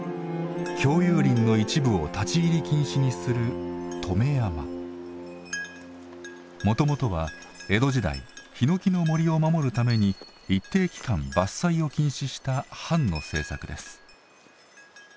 共有林の一部を立ち入り禁止にするもともとは江戸時代ひのきの森を守るために一定期間伐採を禁止した藩の政策です。